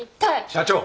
社長。